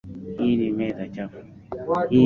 Hii ni meza fupi